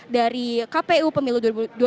dari kpu pemilu dua ribu dua puluh